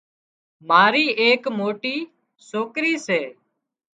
ماري ايڪ مجوٽي سوڪرِي سي